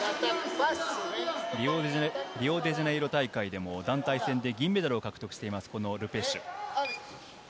リオデジャネイロ大会でも団体戦で銀メダルを獲得しています、ル・ペシュ。